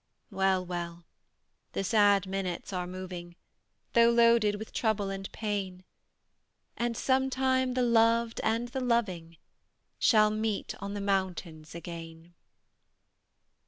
Well well; the sad minutes are moving, Though loaded with trouble and pain; And some time the loved and the loving Shall meet on the mountains again!